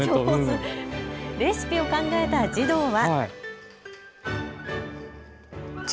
レシピを考えた児童は。